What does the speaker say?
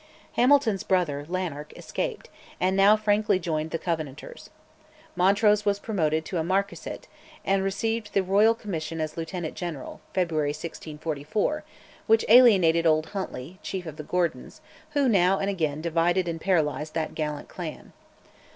Hamilton's brother, Lanark, escaped, and now frankly joined the Covenanters. Montrose was promoted to a Marquisate, and received the Royal Commission as Lieutenant General (February 1644), which alienated old Huntly, chief of the Gordons, who now and again divided and paralysed that gallant clan.